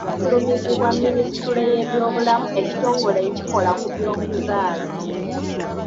Kyafulumizibwa Ministule y'Ebyobulamu Ekitongole ekikola ku byokuzaala